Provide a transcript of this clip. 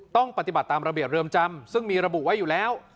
ต้องปฏิบัติตามระเบียบเรือนจำซึ่งมีระบุไว้อยู่แล้ว